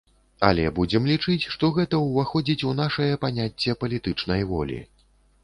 Але будзем лічыць, што гэта ўваходзіць у нашае паняцце палітычнай волі.